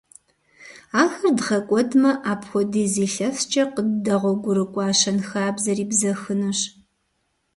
Ахэр дгъэкӀуэдмэ, апхуэдиз илъэскӀэ къыддэгъуэгурыкӀуа щэнхабзэри бзэхынущ.